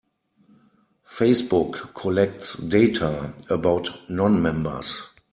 Facebook collects data about non-members.